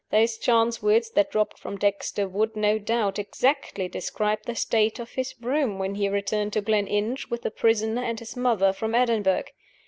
Those chance words that dropped from Dexter would, no doubt, exactly describe the state of his room when he returned to Gleninch, with the prisoner and his mother, from Edinburgh.